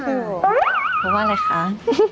เพราะว่าอะไรคะ